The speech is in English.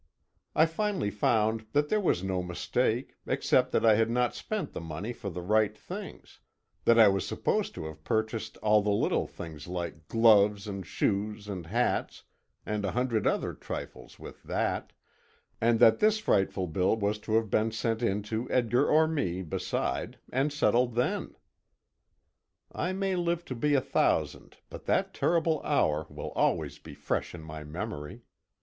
I finally found that there was no mistake, except that I had not spent the money for the right things; that I was supposed to have purchased all the little things like gloves and shoes and hats and a hundred other trifles with that, and that this frightful bill was to have been sent in to Edgar or me, beside, and settled then. I may live to be a thousand, but that terrible hour will always be fresh in my memory.